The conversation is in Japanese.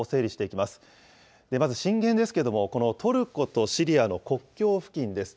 まず震源ですけれども、このトルコとシリアの国境付近です。